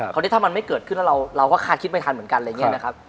คราวนี้ถ้ามันไม่เกิดขึ้นแล้วเราก็คาดคิดไม่ทันเหมือนกัน